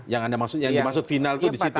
yang dimaksud final itu di situ